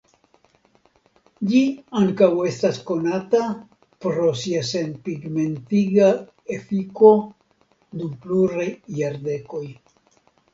Ĝi ankaŭ estas konata pro sia senpigmentiga efiko dum pluraj jardekoj.